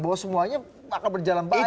bahwa semuanya akan berjalan baik